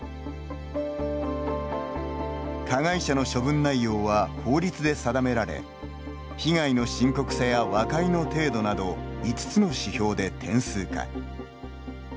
加害者の処分内容は法律で定められ被害の深刻さや和解の程度など５つの指標で点数化。